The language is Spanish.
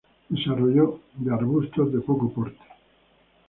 Desarrollo de arbusto de poco porte.